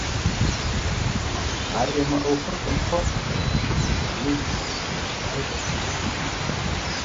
Ар ямыӀэу хъуркъым кхъухьхэр, лъэмыжхэр, унэ лъагэхэр зыщӀхэм.